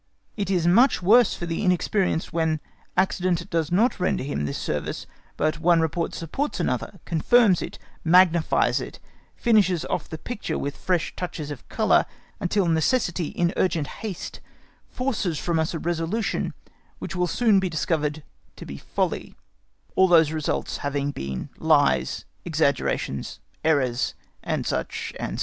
It is much worse for the inexperienced when accident does not render him this service, but one report supports another, confirms it, magnifies it, finishes off the picture with fresh touches of colour, until necessity in urgent haste forces from us a resolution which will soon be discovered to be folly, all those reports having been lies, exaggerations, errors, &c. &c.